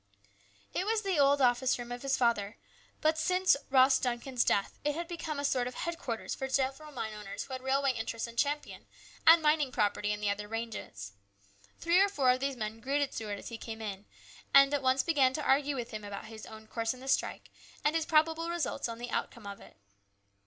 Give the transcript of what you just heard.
It was the old office room of his father, but since A CHANGE. 105 Ross Duncan's death it had become a sort of head quarters for several mine owners who had railway interests in Champion and mining property in the other ranges. Three or four of these men greeted Stuart as he came in, and at once began to argue with him about his course in the strike and its probable results on the outcome of it.